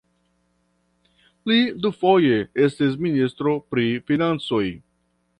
Li dufoje estis ministro pri financoj.